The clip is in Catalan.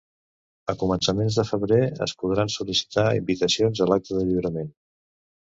A començaments de febrer es podran sol·licitar invitacions a l’acte de lliurament.